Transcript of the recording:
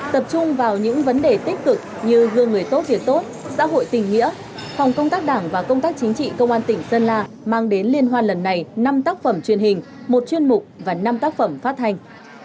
tập trung vào những vấn đề tích cực như gương người tốt việc tốt xã hội tình nghĩa phòng công tác đảng và công tác chính trị công an tỉnh sơn la mang đến liên hoan lần này năm tác phẩm truyền hình một chuyên mục và năm tác phẩm phát hành